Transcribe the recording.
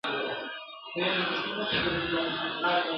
د دې قام د یو ځای کولو !.